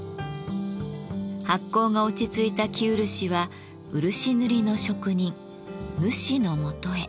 発酵が落ち着いた生漆は漆塗りの職人塗師のもとへ。